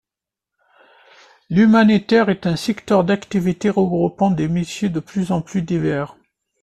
L’humanitaire est un secteur d'activités regroupant des métiers de plus en plus divers.